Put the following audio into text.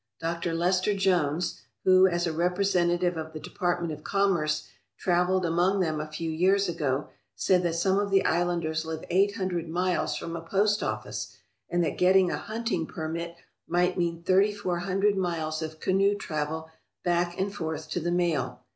Dr. Lester Jones, who, as a rep resentative of the Department of Commerce, travelled among them a few years ago, said that some of the islanders live eight hundred miles from a post office and that getting a hunting permit might mean thirty four hundred miles of canoe travel back and forth to the mail.